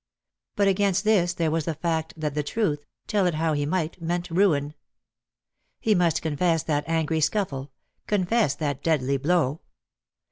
But against this there was the fact that the truth, tell it how he might, meant ruin. He must confess that angry scuffle — confess that deadly blow.